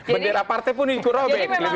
bendera partai pun ikut robek lebih dulu